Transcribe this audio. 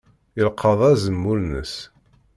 Yelqeḍ azemmur-nnes.